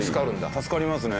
助かりますね。